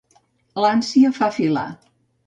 L'ànsia fa filar.